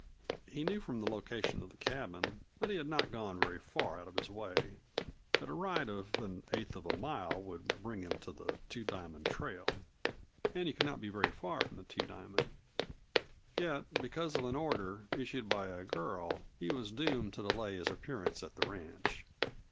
He knew from the location of the cabin that he had not gone very far out of his way; that a ride of an eighth of a mile would bring him to the Two Diamond trail. And he could not be very far from the Two Diamond. Yet because of an order, issued by a girl, he was doomed to delay his appearance at the ranch.